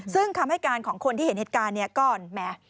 ซึ่งคำให้การของคนที่เห็นเหตุการณ์เนี่ยก็แหม